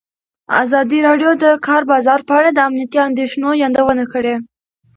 ازادي راډیو د د کار بازار په اړه د امنیتي اندېښنو یادونه کړې.